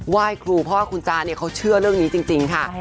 ไหว้ครูเพราะว่าคุณจ๊ะเนี่ยเขาเชื่อเรื่องนี้จริงค่ะ